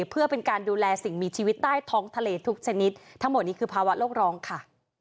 เพื่อเป็นการดูแลสิ่งมีชีวิตใต้ท้องทะเลทุกชนิดทั้งหมดนี้คือภาวะโลกร้องค่ะ